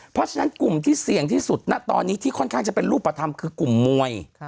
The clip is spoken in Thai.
เพราะฉะนั้นกลุ่มที่เสี่ยงที่สุดณตอนนี้ที่ค่อนข้างจะเป็นรูปธรรมคือกลุ่มมวย